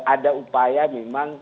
ada upaya memang